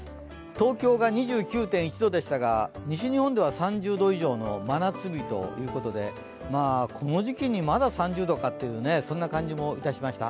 東京が２９．１度でしたが西日本では３０度以上の真夏日ということでこの時期にまだ３０度かそんな感じもいたしました。